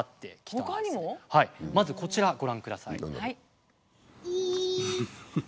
まずこちらご覧ください。